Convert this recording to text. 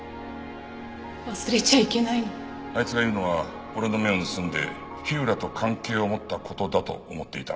あいつが言うのは俺の目を盗んで火浦と関係を持った事だと思っていた。